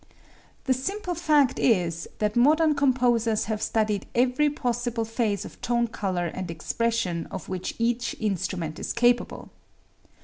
The simple fact is that modern composers have studied every possible phase of tone color and expression of which each instrument is capable.